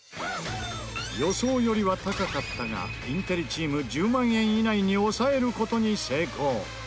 予想よりは高かったがインテリチーム１０万円以内に抑える事に成功。